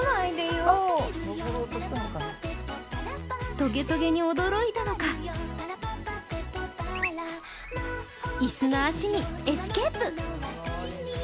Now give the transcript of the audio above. とげとげに驚いたのか椅子の足にエスケープ。